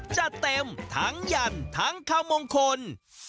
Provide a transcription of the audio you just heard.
จะเต็มทั้งยันทั้งขมงคล